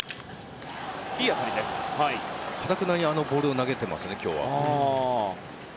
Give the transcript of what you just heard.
かたくなに何かあのボール投げていますね、今日は。